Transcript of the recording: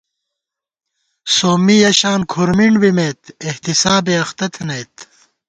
سومّی یَہ شان کھُر مِنڈ بِمېت احتِسابے اختہ تھنَئیت